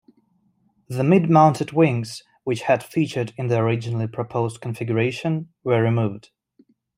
The mid-mounted wings which had featured in the originally proposed configuration were removed.